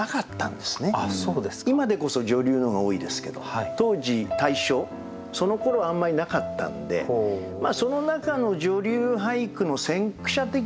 今でこそ女流の方が多いですけど当時大正そのころあんまりなかったんでその中の女流俳句の先駆者的な意味もあってですね